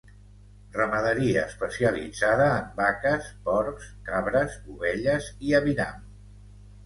Ramaderia especialitzada en vaques, porcs, cabres, ovelles i aviram.